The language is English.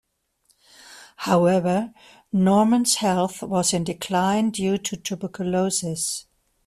However, Normand's health was in decline due to tuberculosis.